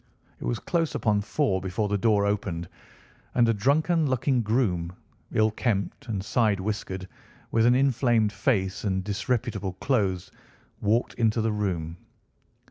It was close upon four before the door opened, and a drunken looking groom, ill kempt and side whiskered, with an inflamed face and disreputable clothes, walked into the room.